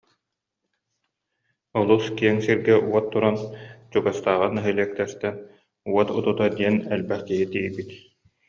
Олус киэҥ сиргэ уот туран, чугастааҕы нэһилиэктэртэн уот утута диэн элбэх киһи тиийбит